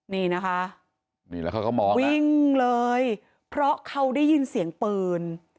นี่นะคะนี่แล้วเขาก็มองวิ่งเลยเพราะเขาได้ยินเสียงปืน